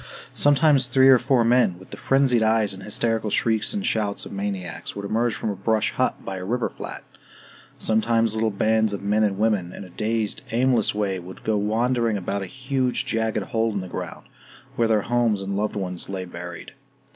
Sometimes three or four men, with the frenzied eyes and hysterical shrieks and shouts of maniacs, would emerge from a brush hut by a river flat. Sometimes little bands of men and women, in a dazed aimless way, would go wandering about a huge jagged hole in the ground, where their homes and their loved ones lay buried.